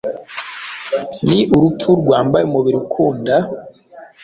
ni urupfu rwambaye umubiri ukunda,